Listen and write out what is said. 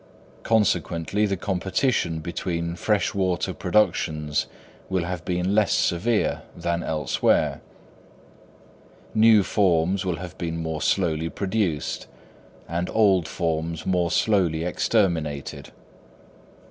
Consequently, the competition between fresh water productions will have been less severe than elsewhere; new forms will have been more slowly produced, and old forms more slowly exterminated.